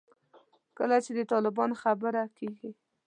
کله چې د طالبانو خبره کېږي.